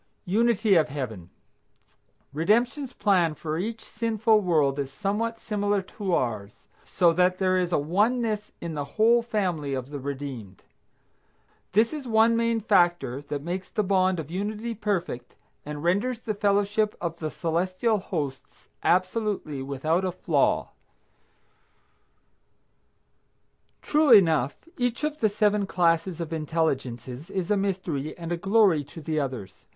UNITY OF HEAVEN. Redemption's plan for each sinful world is somewhat similar to ours, so that there is a oneness in the whole family of the redeemed. This is one main factor that makes the bond of unity perfect and renders the fellowship of the celestial hosts absolutely without a flaw. True enough, each of the seven classes of intelligences is a mystery and a glory to the others.